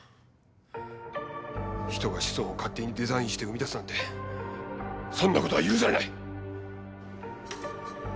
人が子孫を勝手にデザインして生み出すなんてそんなことは許されない。